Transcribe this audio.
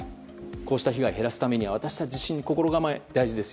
こうした被害を減らすためには私たち自身の心構えが大事です。